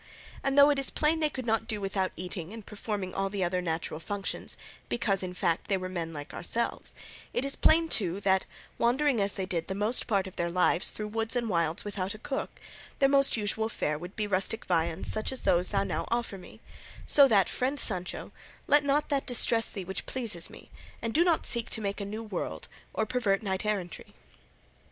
And though it is plain they could not do without eating and performing all the other natural functions, because, in fact, they were men like ourselves, it is plain too that, wandering as they did the most part of their lives through woods and wilds and without a cook, their most usual fare would be rustic viands such as those thou now offer me; so that, friend Sancho, let not that distress thee which pleases me, and do not seek to make a new world or pervert knight errantry."